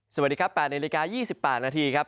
สวัสดีค่ะแปดในริกา๒๘นาทีครับ